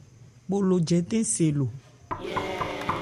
Bho lo jɛtɛn se lo.